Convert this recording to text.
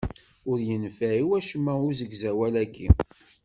Ur yenfiɛ i wacemma usegzawal-aki.